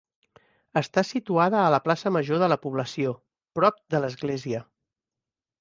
Està situada a la plaça Major de la població, prop de l'església.